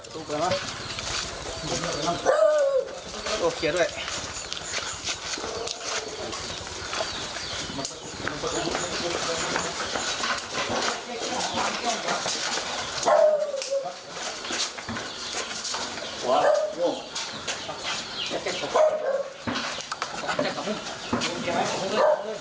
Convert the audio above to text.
ตรงนั้นนะโอเคด้วย